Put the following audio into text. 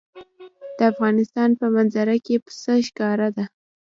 د افغانستان په منظره کې پسه ښکاره ده.